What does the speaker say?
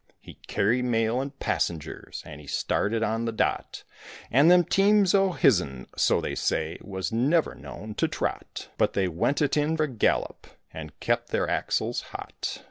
He carried mail and passengers, And he started on the dot, And them teams o' his'n, so they say, Was never known to trot; But they went it in a gallop And kept their axles hot.